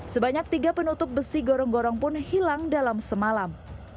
sebanyak tiga penutup besi gorong gorong pun hilang dalam semalam